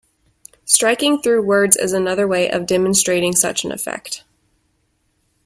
Striking through words is another way of demonstrating such an effect.